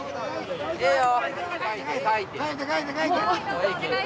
ええよ。